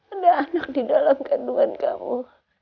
ada anak di dalam kandungan kamu